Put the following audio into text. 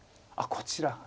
あっこちら。